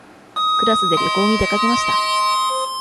クラスで旅行に出かけました。